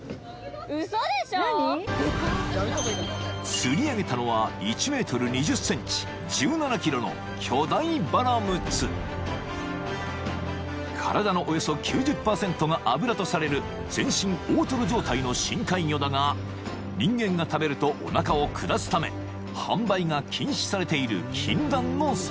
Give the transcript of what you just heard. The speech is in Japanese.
［釣り上げたのは１ｍ２０ｃｍ１７ｋｇの巨大バラムツ］［体のおよそ９０％が脂とされる全身大トロ状態の深海魚だが人間が食べるとおなかを下すため販売が禁止されている禁断の魚］